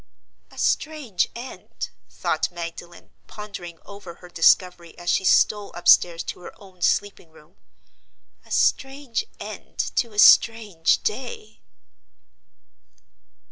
"A strange end," thought Magdalen, pondering over her discovery as she stole upstairs to her own sleeping room—"a strange end to a strange day!"